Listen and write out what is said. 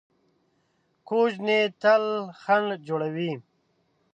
کوږ نیت تل خنډ جوړوي